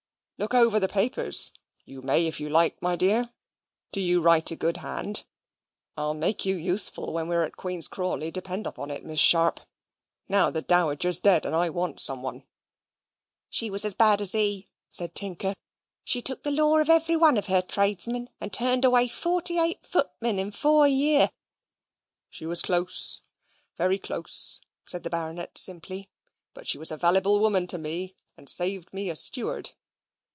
Look over the papers; you may if you like, my dear. Do you write a good hand? I'll make you useful when we're at Queen's Crawley, depend on it, Miss Sharp. Now the dowager's dead I want some one." "She was as bad as he," said Tinker. "She took the law of every one of her tradesmen; and turned away forty eight footmen in four year." "She was close very close," said the Baronet, simply; "but she was a valyble woman to me, and saved me a steward."